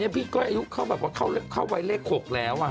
ใช่วันนี้พี่ก้อยอายุเข้าแบบว่าเข้าวัยเลข๖แล้ว